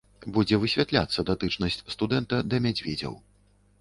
Будзе высвятляцца датычнасць студэнта да мядзведзяў.